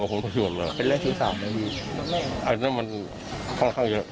อืมค่ะ